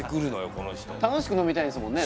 この人楽しく飲みたいですもんね